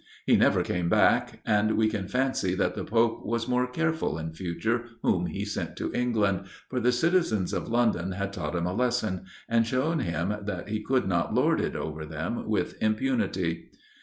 He never came back, and we can fancy that the Pope was more careful in future whom he sent to England, for the citizens of London had taught him a lesson, and shown him that he could not lord it over them with impunity.